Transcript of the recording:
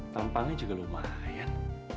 tampaknya juga lumayan